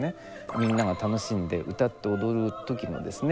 みんなが楽しんで歌って踊る時のですね